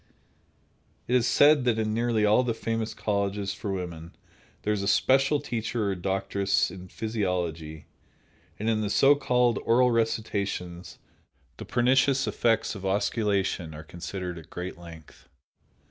It is said that in nearly all the famous colleges for women there is a special teacher or doctress in physiology, and in the so called oral recitations the pernicious effects of osculation are considered at great length.